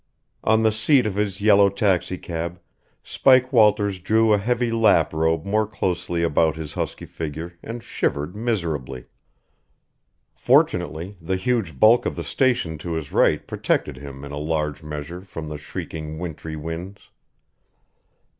On the seat of his yellow taxicab, Spike Walters drew a heavy lap robe more closely about his husky figure and shivered miserably. Fortunately, the huge bulk of the station to his right protected him in a large measure from the shrieking wintry winds.